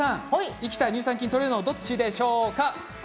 生きた乳酸菌とれるのはどっちでしょうか？